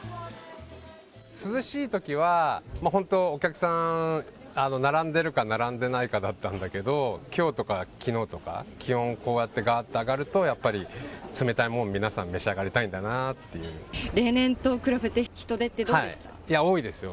涼しいときは、本当、お客さん並んでるか、並んでないかだったんだけど、きょうとかきのうとか、気温がこうやってがーっと上がると、やっぱり冷たいもん、皆さん例年と比べて人出ってどうでいや、多いですよ。